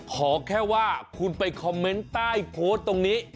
ขอแค่ว่าคุณไปคอมเมนต์ใต้โพสต์ตรงนี้